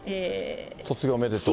卒業おめでとうと。